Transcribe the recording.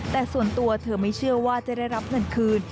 แต่ส่วนตัวเธอไม่เชื่อว่าจะได้รับเงินคืน